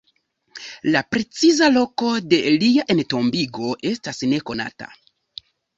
La preciza loko de lia entombigo estas nekonata.